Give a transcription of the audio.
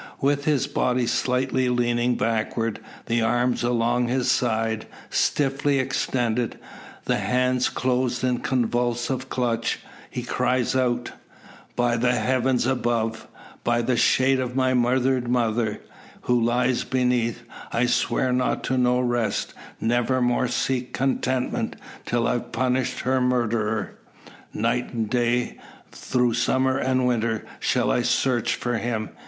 With his body slightly leaning backward, the arms along his sides, stiffly extended, the hands closed in convulsive clutch, he cries out: "By the heavens above by the shade of my murdered mother, who lies beneath I swear not to know rest, never more seek contentment, till I've punished her murderer! Night and day through summer and winter shall I search for him.